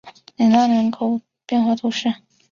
雷讷维勒人口变化图示